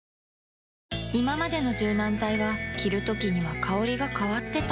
いままでの柔軟剤は着るときには香りが変わってた